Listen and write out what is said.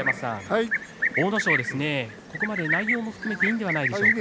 阿武咲、ここまで内容も含めていいのではないでしょうか。